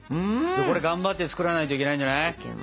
これ頑張って作らないといけないんじゃない？